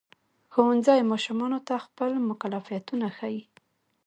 ښوونځی ماشومانو ته خپل مکلفیتونه ښيي.